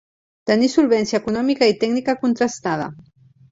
Tenir solvència econòmica i tècnica contrastada.